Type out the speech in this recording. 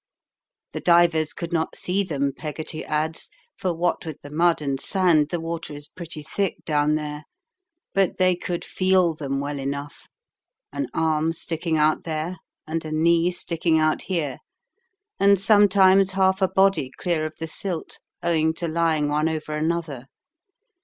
"The divers could not see them," Peggotty adds, "for what with the mud and sand the water is pretty thick down there. But they could feel them well enough an arm sticking out there, and a knee sticking out here, and sometimes half a body clear of the silt, owing to lying one over another.